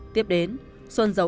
tiếp đến xuân giấu